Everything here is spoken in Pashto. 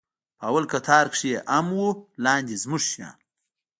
په اول کتار کښې يې ام و لاندې زموږ شيان.